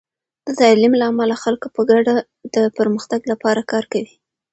د تعلیم له امله، خلک په ګډه د پرمختګ لپاره کار کوي.